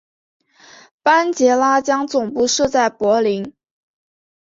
班杰拉将总部设在柏林。